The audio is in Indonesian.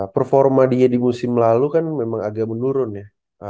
performa dia di musim lalu kan memang agak menurun ya